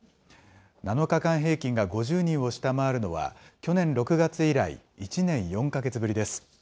７日間平均が５０人を下回るのは、去年６月以来１年４か月ぶりです。